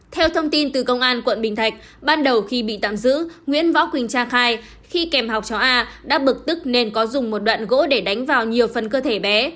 theo thông tin từ công an quận bình thạnh ban đầu khi bị tạm giữ nguyễn võ quỳnh trang khai khi kèm học trò a đã bực tức nên có dùng một đoạn gỗ để đánh vào nhiều phần cơ thể bé